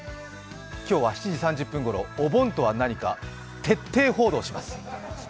今日は７時３０分ごろお盆とは何か徹底報道します。